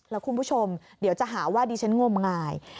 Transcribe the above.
แล้วคุณผู้ชมเดี๋ยวจะหาว่าดิฉันงมงาย